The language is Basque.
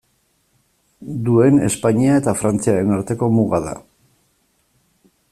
Duen Espainia eta Frantziaren arteko muga da.